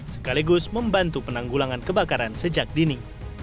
sekaligus membantu penanggulangan kebakaran sejak dini